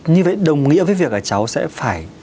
như vậy đồng nghĩa với việc là cháu sẽ phải